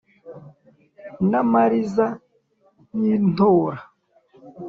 n’ amariza y’ i ntora,